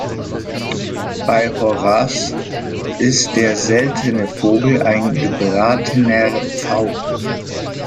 Bei Horaz ist der seltene Vogel ein gebratener Pfau.